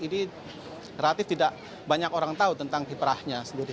ini relatif tidak banyak orang tahu tentang kiprahnya sendiri